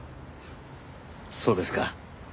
そうですか。